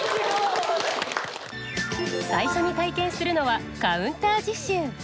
最初に体験するのはカウンター実習。